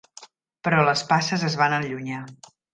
Però les passes es van allunyar.